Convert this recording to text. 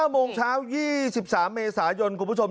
โมงเช้า๒๓เมษายนคุณผู้ชม